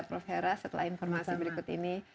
prof hera setelah informasi berikut ini